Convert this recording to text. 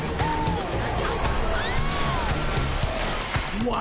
うわ！